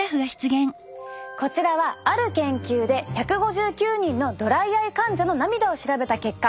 こちらはある研究で１５９人のドライアイ患者の涙を調べた結果。